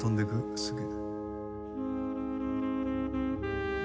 すげえ。